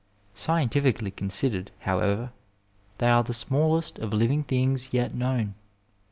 Scientifically considered, however, they are the smaDest of living things yet known.